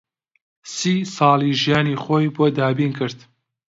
سی ساڵی ژیانی خۆی بۆ دابین کرد